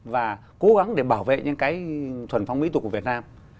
và cố gắng để bảo vệ những cái thuần phong mỹ tục của việt nam